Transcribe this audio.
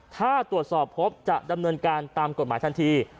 ถ้าตรวจสอบพบจะดำเนินการตามกฎหมายทันที